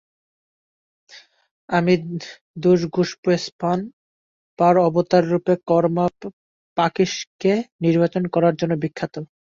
তিনি দুস-গ্সুম-ম্খ্যেন-পার অবতাররূপে কার্মা-পাক্শিকে নির্বাচন করার জন্য বিখ্যাত।